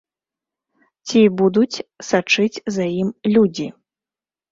Ці будуць сачыць за ім людзі?